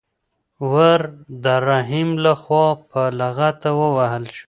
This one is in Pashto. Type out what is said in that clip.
ور د رحیم لخوا په لغته ووهل شو.